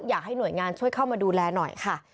อยากให้หน่วยงานช่วยเข้ามาดูแลหน่อยค่ะ